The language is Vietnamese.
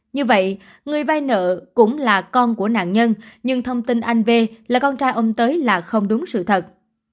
như vậy người vay nợ cũng là con của nạn nhân nhưng thông tin anh v là con tra ông tới là không đúng sự thật